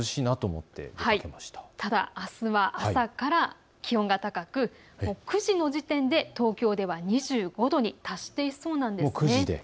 ただ、あすは朝から気温が高く、９時の時点で東京では２５度に達していそうなんです。